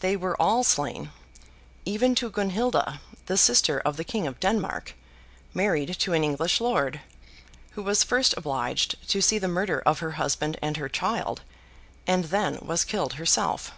They were all slain, even to Gunhilda, the sister of the King of Denmark, married to an English lord; who was first obliged to see the murder of her husband and her child, and then was killed herself.